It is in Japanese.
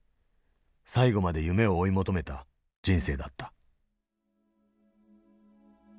最後まで夢を追い求めた人生だった。